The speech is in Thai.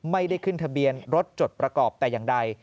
ไม่ได้ขึ้นทะเบียนรถจดประกอบแต่อย่างใด